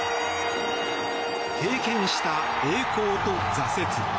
経験した栄光と挫折。